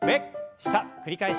下繰り返し。